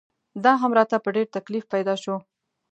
دا هم راته په ډېر تکلیف پیدا شو.